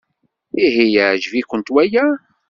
Ihi yeɛjeb-ikent waya?